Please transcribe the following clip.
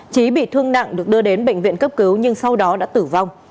trí bị thương nặng được đưa đến bệnh viện cấp cứu nhưng sau đó đã tử vong